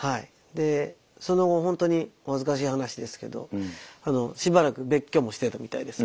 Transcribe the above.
でその後ほんとにお恥ずかしい話ですけどしばらく別居もしてたみたいです。